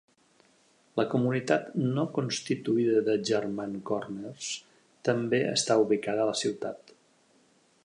La comunitat no constituïda de German Corners també està ubicada a la ciutat.